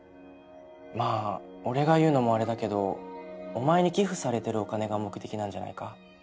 まあ俺が言うのもあれだけどお前に寄付されてるお金が目的なんじゃないか？